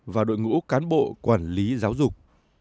và đội ngũ cán bộ quản lý giáo dục